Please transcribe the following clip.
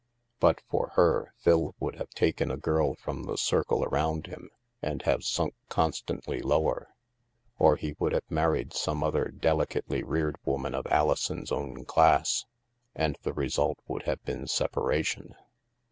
But for her, Phil would have taken a girl from the circle around him and have sunk constantly lower; or he would have married some other deli cately reared woman of Alison's own class, and the result would have been separation.